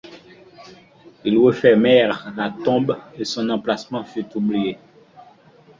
Ils refermèrent la tombe et son emplacement fut oublié.